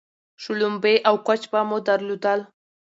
شلومبې او کوچ به مو درلودل